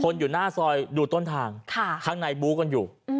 คนอยู่หน้าซอยดูต้นทางค่ะข้างในบู๊กกันอยู่อืม